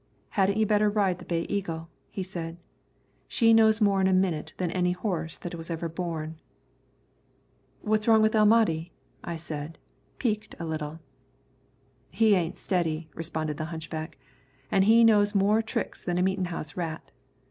"Hadn't you better ride the Bay Eagle?" he said. "She knows more in a minute than any horse that was ever born." "What's wrong with El Mahdi?" I said, piqued a little. "He ain't steady," responded the hunchback; "an' he knows more tricks than a meetin' house rat.